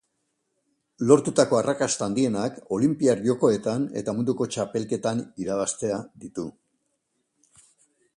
Lortutako arrakasta handienak Olinpiar Jokoetan eta munduko txapelketan irabaztea ditu.